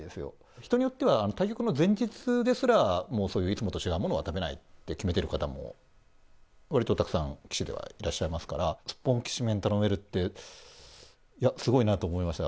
人によっては、対局の前日ですら、もう、そういういつもと違うものは食べないと決めてる方も、わりとたくさん、棋士ではいらっしゃいますから、すっぽんきしめん頼めるって、いや、すごいなと思いました。